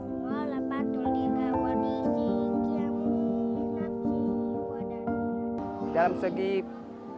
ia cukup cepat menghafal pelajaran yang disampaikan